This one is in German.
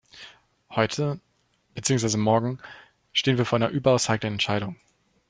Heute – beziehungsweise morgen – stehen wir vor einer überaus heiklen Entscheidung.